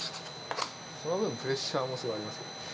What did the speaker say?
その分、プレッシャーもすごくあります。